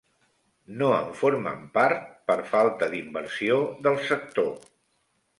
No en formen part per falta d'inversió del sector.